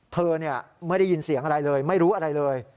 เธอไม่ได้ยินเสียงอะไรเลยไม่รู้อะไรเลย